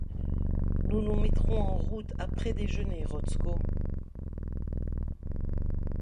Nous nous mettrons en route après déjeuner, Rotzko.